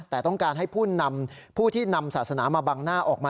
แต่ต้องการให้ผู้นำผู้ที่นำศาสนามาบังหน้าออกมา